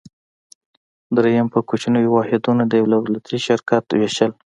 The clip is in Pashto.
دریم: په کوچنیو واحدونو د یو دولتي شرکت ویشل.